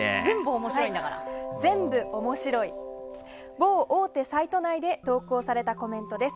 某大手サイト内で投稿されたコメントです。